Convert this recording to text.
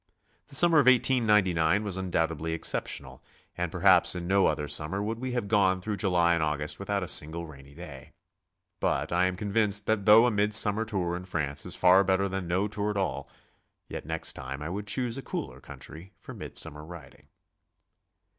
The summer of 1899 was un doubtedly exceptional, and perhaps in no other summer w^ould w^e have gone through July and August without a sin gle rainy day. but I am convinced that though a mid sum mer tour in France is far better than no tour at all, yet next time I wx)uld choose a cooler country for mid summer riding.